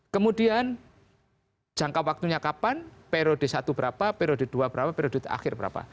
kemudian jangka waktunya kapan periode satu berapa periode dua berapa periode akhir berapa